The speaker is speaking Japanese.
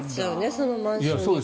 そのマンション。